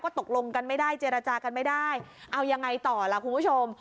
ตกลงกันไม่ได้เจรจากันไม่ได้เอายังไงต่อล่ะคุณผู้ชม